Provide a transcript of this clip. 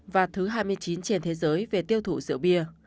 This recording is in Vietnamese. và thứ hai mươi chín trên thế giới về tiêu thụ rượu bia